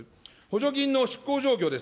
補助金の状況です。